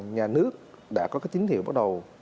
nhà nước đã có cái tín hiệu bắt đầu